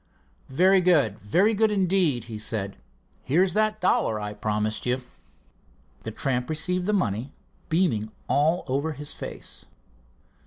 "Very good, very good, indeed," he said. "Here's that dollar I promised you." The tramp received the money, beaming all over his face.